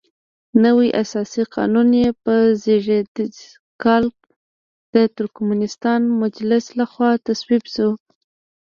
نوی اساسي قانون یې په زېږدیز کال د ترکمنستان مجلس لخوا تصویب شو.